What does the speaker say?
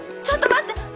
ちょっと待って！